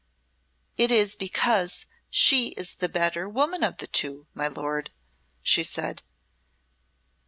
"It is because she is the better woman of the two, my lord," she said.